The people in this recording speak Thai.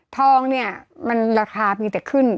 ทองเนี่ยมันราคามีแต่ขึ้น